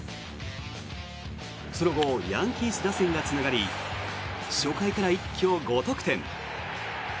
その後ヤンキース打線がつながり初回から一挙５得点。